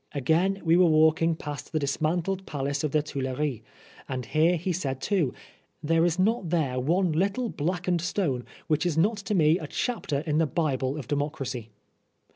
Again, we were walking past the dis mantled palace of the Tuileries, and here he said too, " There is not there one little blackened stone which is not to me a chapter in the Bible of Democracy.'